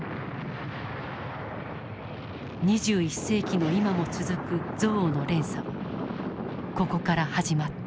２１世紀の今も続く憎悪の連鎖はここから始まった。